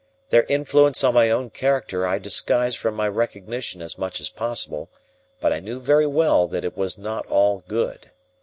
Their influence on my own character I disguised from my recognition as much as possible, but I knew very well that it was not all good.